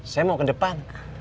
saya mau ke depan